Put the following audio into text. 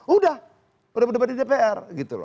udah udah berdebat di dpr